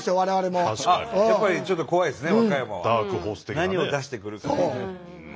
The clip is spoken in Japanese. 何を出してくるか。